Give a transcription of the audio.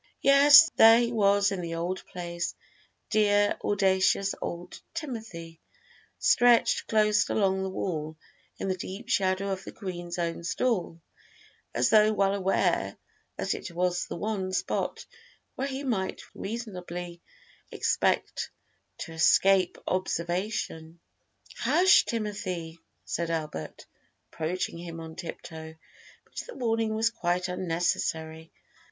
Yes, there he was in the old place dear, audacious old Timothy, stretched close along the wall in the deep shadow of the Oueen's own stall, as though well aware that it was the one spot where he might reasonably expect to escape observation. [Illustration: 0105] "Hush, Timothy," said Albert, approaching him on tiptoe; but the warning was quite unnecessary.